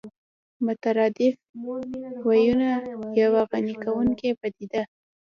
مترادف ويونه يوه غني کوونکې پدیده